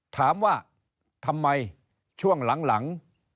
ถามว่าทำไมช่วงหลัง